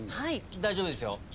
大丈夫ですよ。